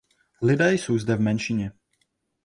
Lidé jsou zde v menšině.